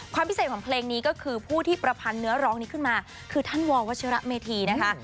พิเศษของเพลงนี้ก็คือผู้ที่ประพันธ์เนื้อร้องนี้ขึ้นมาคือท่านววัชิระเมธีนะคะ